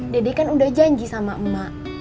dede kan udah janji sama emak